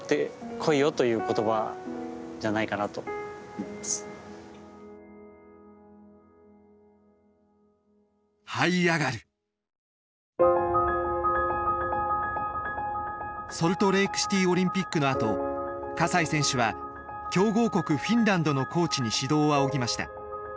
やっぱりソルトレークシティーオリンピックのあと西選手は強豪国フィンランドのコーチに指導を仰ぎました。